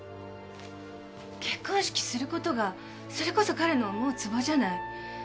結婚式することがそれこそ彼の思うつぼじゃない。